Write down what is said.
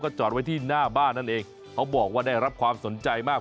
จอดไว้ที่หน้าบ้านนั่นเองเขาบอกว่าได้รับความสนใจมาก